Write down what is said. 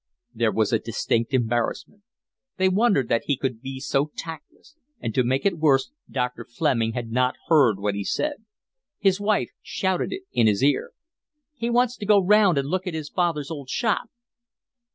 There was a distinct embarrassment. They wondered that he could be so tactless, and to make it worse Dr. Fleming had not heard what he said. His wife shouted it in his ear. "He wants to go round and look at his father's old shop."